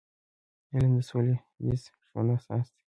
علم د سوله ییز ژوند اساس دی.